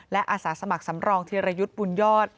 และอาสาสมัครสำรองธิรยุทธ์บุญยอด